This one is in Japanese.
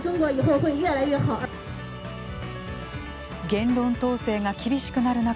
言論統制が厳しくなる中